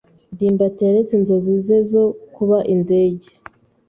ndimbati yaretse inzozi ze zo kuba indege.